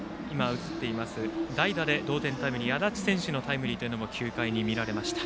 代打で同点タイムリーの安達選手のタイムリーも９回に見られました。